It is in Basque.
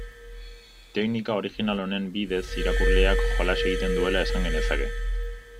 Teknika original honen bidez irakurleak jolas egiten duela esan genezake.